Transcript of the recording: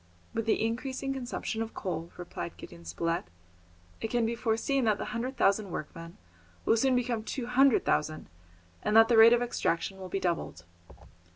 "With the increasing consumption of coal," replied Gideon Spilett, "it can be foreseen that the hundred thousand workmen will soon become two hundred thousand, and that the rate of extraction will be doubled."